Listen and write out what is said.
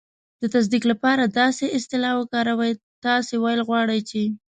د تصدیق لپاره داسې اصطلاح وکاروئ: "تاسې ویل غواړئ چې..."